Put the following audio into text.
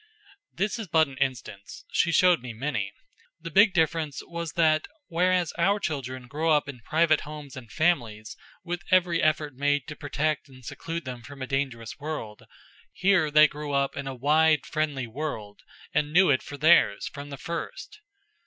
This is but an instance; she showed me many. The big difference was that whereas our children grow up in private homes and families, with every effort made to protect and seclude them from a dangerous world, here they grew up in a wide, friendly world, and knew it for theirs, from the first.